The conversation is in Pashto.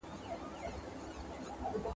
پلان جوړول د زده کوونکي له خوا کيږي.